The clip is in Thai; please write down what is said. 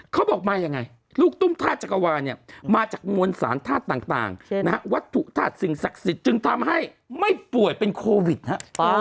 เขาบอกมายังไงลูกตุ้มธาตุจักรวาลเนี่ยมาจากมวลสารธาตุต่างนะฮะวัตถุธาตุสิ่งศักดิ์สิทธิ์จึงทำให้ไม่ป่วยเป็นโควิดฮะ